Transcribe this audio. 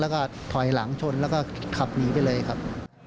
แล้วก็ถอยหลังชนแล้วก็ขับหนีไปเลยครับ